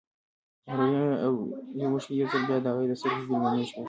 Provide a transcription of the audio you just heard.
رڼې اوښکې يو ځل بيا د هغې د سترګو مېلمنې شوې.